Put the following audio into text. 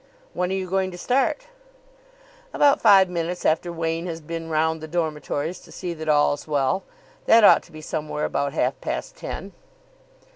"When are you going to start?" "About five minutes after Wain has been round the dormitories to see that all's well. That ought to be somewhere about half past ten."